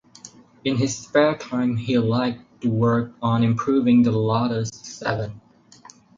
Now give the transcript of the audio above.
In his spare time he liked to work on improving the Lotus Seven.